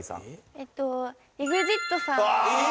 えーとＥＸＩＴさん・え！？